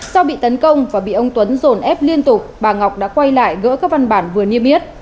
do bị tấn công và bị ông tuấn dồn ép liên tục bà ngọc đã quay lại gỡ các văn bản vừa niêm yết